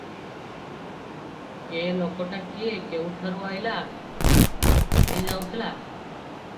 ଏ ଲୋକଟା କିଏ, କେଉଁଠାରୁ ଅଇଲା, କାହିଁ ଯାଉଁଥିଲା?